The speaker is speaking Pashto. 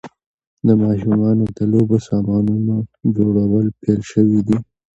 د ماشومانو د لوبو سامانونو جوړول پیل شوي دي.